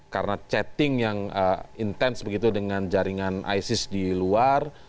karena chatting yang intens begitu dengan jaringan isis di luar